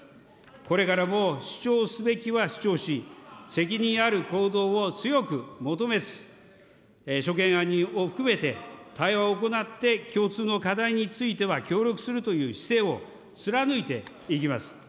これからも主張すべきは主張し、責任ある行動を強く求めつつ、諸懸案を含めて対話を行って、共通の課題については協力するという姿勢を貫いていきます。